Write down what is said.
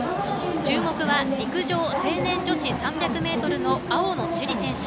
注目は陸上成年女子３００ｍの青野朱李選手。